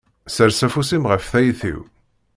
Sers afus-im ɣef tayet-iw.